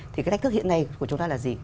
thì cái thách thức hiện nay của chúng ta là gì